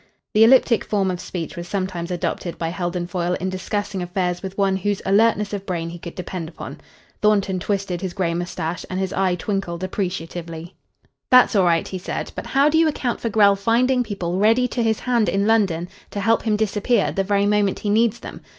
The elliptic form of speech was sometimes adopted by Heldon Foyle in discussing affairs with one whose alertness of brain he could depend upon. Thornton twisted his grey moustache and his eye twinkled appreciatively. "That's all right," he said. "But how do you account for Grell finding people ready to his hand in London to help him disappear at the very moment he needs them?